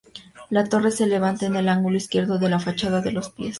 La torre se levanta en el ángulo izquierdo de la fachada de los pies.